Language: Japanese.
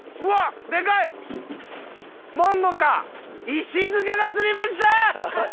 石塚が釣りました！